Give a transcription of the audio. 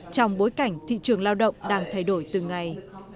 trong bối cảnh thị trường lao động đang thay đổi từng ngày